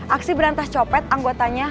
aksi berantas copet anggotanya